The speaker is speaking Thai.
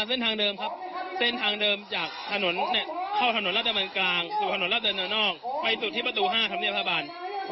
เส้นทางเดิมครับเส้นทางเดิมจากถนนเข้าถนนรับแต่บนกลางหรือถนนรับแต่บนออกไปสุดที่ประตู๕ครับเนี่ยพระบาล